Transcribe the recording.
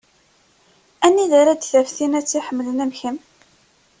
Anida ara d-taf tin ara tt-iḥemmlen am kemm?